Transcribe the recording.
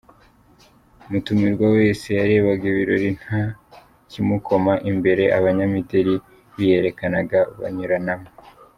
Mutumirwa wese yarebaga ibirori nta kimukoma. Imbere Abanyamideli biyerekanaga banyuranamo.